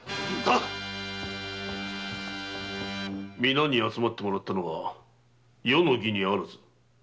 皆に集まってもらったのは余の儀に非ず。